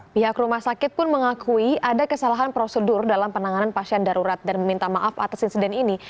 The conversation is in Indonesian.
pihak rumah sakit pun mengakui ada kesalahan prosedur dalam penanganan pasien darurat dan meminta maaf atas insiden ini